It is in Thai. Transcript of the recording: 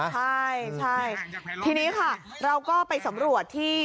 ใช่ที่นี้เราก็ไปสำรวจที่